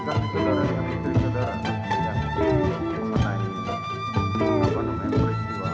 terkomunikasi dengan negara negara